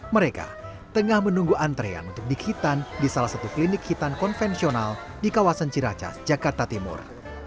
mereka tengah menunggu antrean untuk dihitan di salah satu klinik hitan konvensional di kawasan ciracas jakarta timur